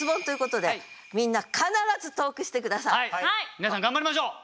皆さん頑張りましょう！